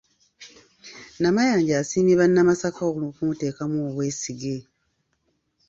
Namayanja asiimye bannamasaka olw’okumuteekamu obwesige.